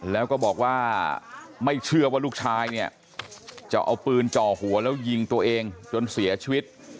แล้วก็บอกว่าไม่เชื่อว่าลูกชายเนี่ยจะเอาปืนจ่อหัวแล้วยิงตัวเองจนเสียชีวิต